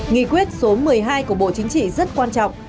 nghị quyết số một mươi hai của bộ chính trị rất quan trọng